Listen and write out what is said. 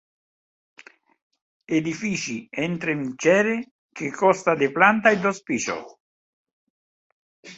Edifici entre mitgeres que consta de planta i dos pisos.